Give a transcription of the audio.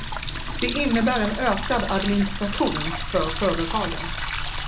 Det innebär en ökad administration för företagen.